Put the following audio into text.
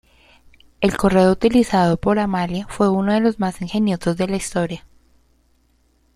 El correo utilizado por Amalia fue uno de los más ingeniosos de la historia.